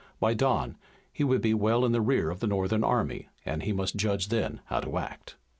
By dawn he would be well in the rear of the Northern army, and he must judge then how to act.